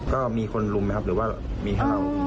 ก็มีคนลุมไหมครับหรือว่ามีให้เรา